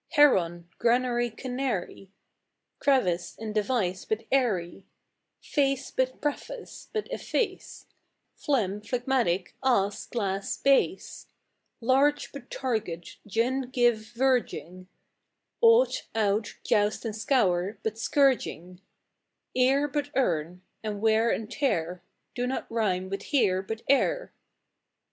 Heron; granary, canary; Crevice, and device, and eyrie; Face but preface, but efface, Phlegm, phlegmatic; ass, glass, bass; Large, but target, gin, give, verging; Ought, out, joust and scour, but scourging; Ear, but earn; and wear and tear Do not rime with "here", but "ere".